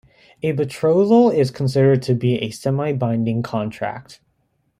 A betrothal is considered to be a 'semi-binding' contract.